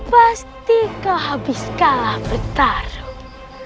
pasti kau habis kalah bertarung